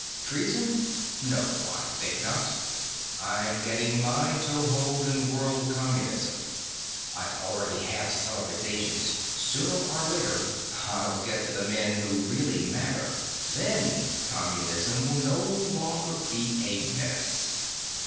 Treason? No. I think not. I'm getting my toehold in world communism. I already have some of its agents; sooner or later, I'll get to the men who really matter. Then communism will no longer be a menace."